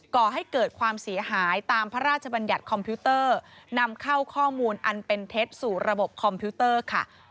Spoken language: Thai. ก่อให้เกิดความเสียหายตามพระราชบัญญัติคอมพิวเตอร์นำเข้าข้อมูลอันเป็นเท็จสู่ระบบคอมพิวเตอร์ค่ะ